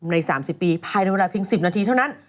ใน๓๐ปีภายในเวลาเพียง๑๐นาทีเท่านั้น